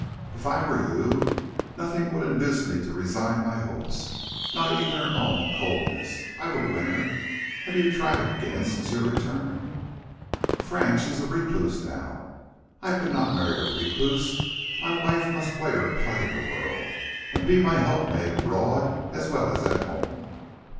"If I were you, nothing would induce me to resign my hopes, not even her own coldness. I would win her. Have you tried again since your return?" "Frank, she is a recluse now; I could not marry a recluse; my wife must play her part in the world, and be my helpmate abroad as well as at home."